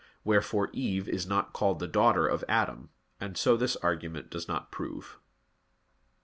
Wherefore Eve is not called the daughter of Adam; and so this argument does not prove.